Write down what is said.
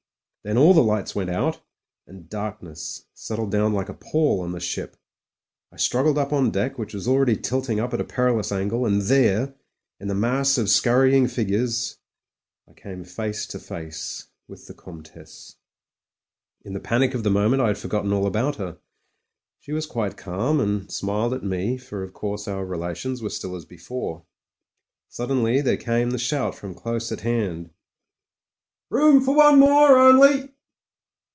Then all the lights went out, and darkness settled down like a pall on the ship. I strug gled up on deck, which was already tilting up at a perilous angle, and there — ^in the mass of scurrying figures — I came face to face with the Comtesse. In the panic of the moment I had forgotten all about her. She was quite calm, and smiled at me, for of course our relations were still as before. Suddenly there came the shout from close at hand, "Room for one more only."